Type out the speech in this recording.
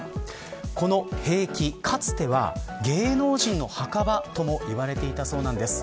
この兵役、かつては芸能人の墓場とも呼ばれていたそうなんです。